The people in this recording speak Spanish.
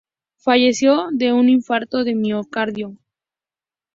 Falleció de un infarto de miocardio.